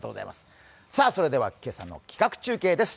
それでは今朝の企画中継です。